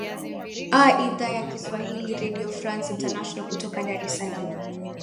a idhaa ya kiswahili redio france international kutoka dar es salam